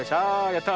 やった！